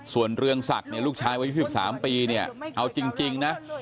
ส่วนเรืองศักดิ์เนี่ยลูกชายวัย๒๓ปีเนี่ยเอาจริงนะ